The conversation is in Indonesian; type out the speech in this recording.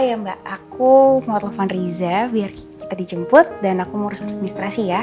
oh iya mbak aku mau telepon riza biar kita dijemput dan aku mau urus administrasi ya